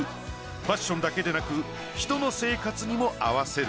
ファッションだけでなく人の生活にも合わせる。